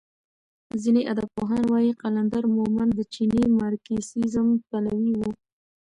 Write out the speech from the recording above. ځینې ادبپوهان وايي قلندر مومند د چیني مارکسیزم پلوی و.